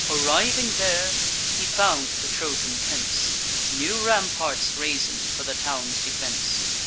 Arriving there, he found the Trojan prince New ramparts raising for the town's defence.